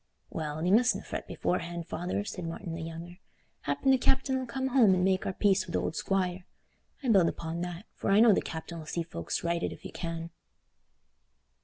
"Well, thee mustna fret beforehand, father," said Martin the younger. "Happen the captain 'ull come home and make our peace wi' th' old squire. I build upo' that, for I know the captain 'll see folks righted if he can."